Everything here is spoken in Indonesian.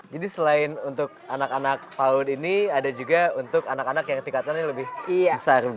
jadi selain untuk anak anak paut ini ada juga untuk anak anak yang tingkatannya lebih besar gitu ya